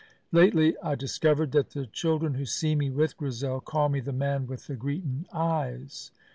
Lately I discovered that the children who see me with Grizel call me 'the Man with the Greetin' Eyes.'